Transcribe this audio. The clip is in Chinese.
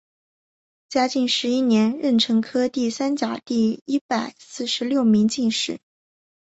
嘉靖十一年壬辰科第三甲第一百四十六名进士。